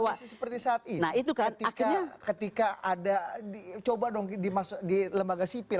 kalau kondisi seperti saat ini ketika ada coba dong di lembaga sipil